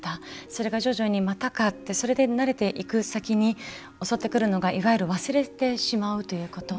それが、徐々にまたかって慣れていく先に襲ってくるのがいわゆる忘れてしまうっていうこと。